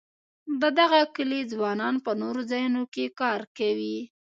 د دغه کلي ځوانان په نورو ځایونو کې کار کوي.